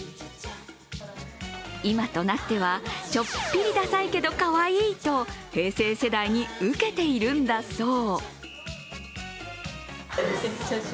今となっては、ちょっぴりダサいけどかわいいと平成世代に受けているんだそう。